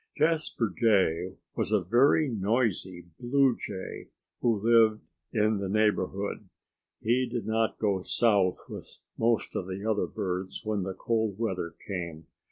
Jasper Jay was a very noisy blue jay who lived in the neighborhood. He did not go south with most of the other birds when the cold weather came.